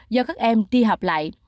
do các em đi học lại